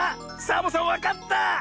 サボさんわかった！